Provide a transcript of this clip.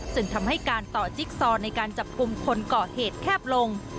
ซึ่งทำให้การต่อจิ๊กซอในการจับกลุ่มคนก่อเหตุแคบลง